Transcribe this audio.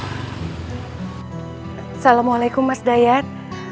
assalamualaikum mas dayat